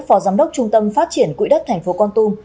phò giám đốc trung tâm phát triển quỹ đất thành phố con tum